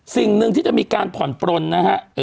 สิ่งหนึ่งที่จะมีการผ่อนปลนนะฮะ